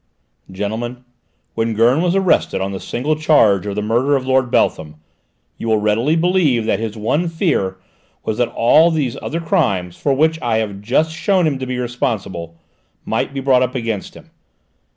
"Gentlemen, when Gurn was arrested on the single charge of the murder of Lord Beltham, you will readily believe that his one fear was that all these other crimes, for which I have just shown him to be responsible, might be brought up against him.